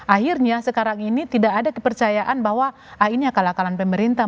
akhirnya sekarang ini tidak ada kepercayaan bahwa ini akal akalan pemerintah